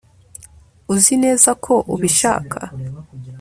uzi neza ko ubishaka